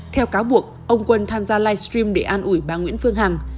theo cáo buộc ông quân tham gia live stream để an ủi bà nguyễn phương hằng